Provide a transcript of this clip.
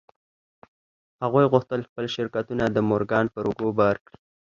هغوی غوښتل خپل شرکتونه د مورګان پر اوږو بار کړي